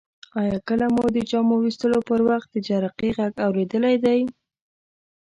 آیا کله مو د جامو ویستلو پر وخت د جرقې غږ اوریدلی دی؟